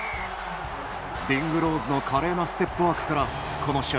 リングローズの華麗なステップワークからこの試合